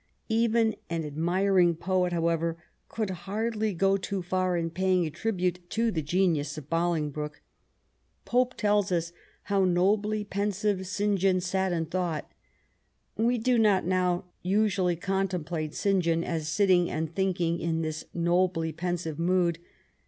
Even an admiring poet, how ever, could hardly go too far in paying a tribute to the genius of Bolingbroke. Pope tells us how " nobly pen sive St. John sat and thought." We do not now usually contemplate St. John as sitting and thinking in this nobly pensive mood.